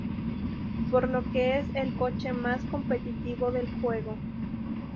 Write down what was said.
Por lo que es el coche más competitivo del juego.